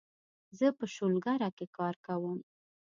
زه په شولګره کې کار کوم